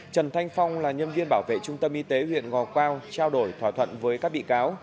trần thanh phong là nhân viên bảo vệ trung tâm y tế huyện ngò quao trao đổi thỏa thuận với các bị cáo